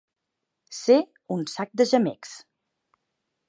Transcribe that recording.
Ser un sac de gemecs.